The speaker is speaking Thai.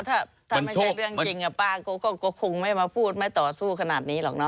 ถ้าไม่ใช่เรื่องจริงป้าก็คงไม่มาพูดไม่ต่อสู้ขนาดนี้หรอกนะ